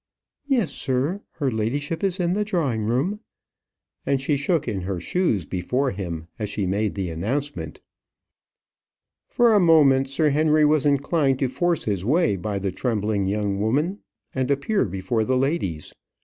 "Yes, sir; her ladyship is in the drawing room," and she shook in her shoes before him as she made the announcement. For a moment Sir Henry was inclined to force his way by the trembling young woman, and appear before the ladies.